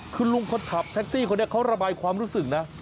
คือลุงคนขับแท็กซี่คนนี้เขาระบายความรู้สึกนะ